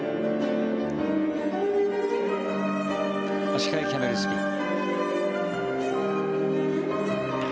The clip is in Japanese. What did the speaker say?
足換えキャメルスピン。